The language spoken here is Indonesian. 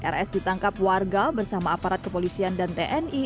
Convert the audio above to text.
rs ditangkap warga bersama aparat kepolisian dan tni